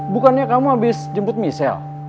bukannya kamu abis jemput misel